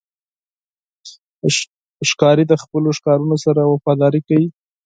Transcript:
ښکاري د خپلو ښکارونو سره وفاداري کوي.